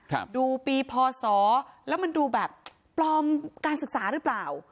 ดูปีพศแล้วมันดูแบบปลอมการศึกษาหรือเปล่า